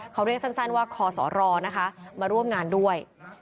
เขาเรียกสั้นว่าคอสรนะคะมาร่วมงานด้วย